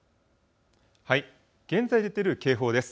現在出ている警報です。